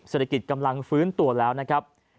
เศรษฐกิจกำลังฟื้นตัวแล้วนะครับ